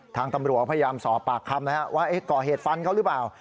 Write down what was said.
ทางตำรวจพยายามสอบปากคำนะครับว่าก่อเหตุฟันเขาหรือเปล่า